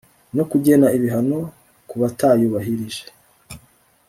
no kugena ibihano kubatayubahirije